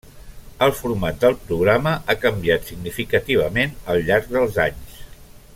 El format del programa ha canviat significativament al llarg dels anys.